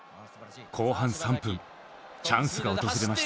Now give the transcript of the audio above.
後半３分チャンスが訪れました。